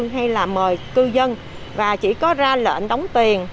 hay là mời cư dân và chỉ có ra lệnh đóng tiền